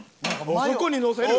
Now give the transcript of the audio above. ここにのせる？